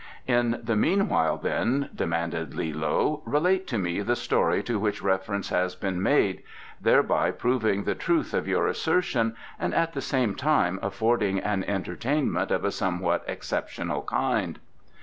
"In the meanwhile, then," demanded Li loe, "relate to me the story to which reference has been made, thereby proving the truth of your assertion, and at the same time affording an entertainment of a somewhat exceptional kind."